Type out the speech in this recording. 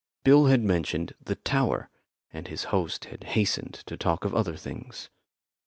Bill had mentioned the tower, and his host had hastened to talk of other things.